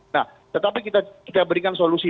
nah tetapi kita berikan solusi